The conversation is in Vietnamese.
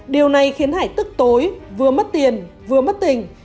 điều này khiến hải tức tối vừa mất tiền vừa mất tỉnh